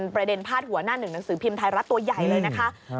ประเด็นพาดหัวหน้าหนึ่งหนังสือพิมพ์ไทยรัฐตัวใหญ่เลยนะคะ